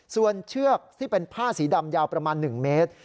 ส่วนเชือกที่เป็นผ้าสีดำยาวประมาณ๑เมตร